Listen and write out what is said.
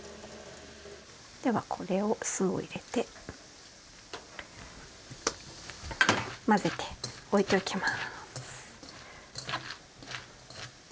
ではこれを酢を入れて混ぜて置いておきます。